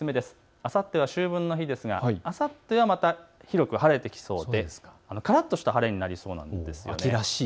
あさっては秋分の日ですがあさっては広く晴れてきそうでからっとした晴れになりそうなんです。